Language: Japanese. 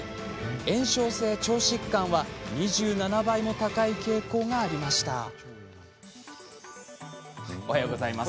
炎症性腸疾患は２７倍も高い傾向がありましたおはようございます。